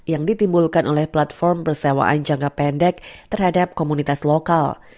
yang ditimbulkan oleh platform persewaan jangka pendek terhadap komunitas lokal